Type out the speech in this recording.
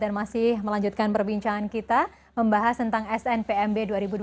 dan masih melanjutkan perbincangan kita membahas tentang snpmb dua ribu dua puluh tiga